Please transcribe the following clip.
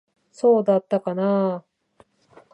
そうだったかなあ。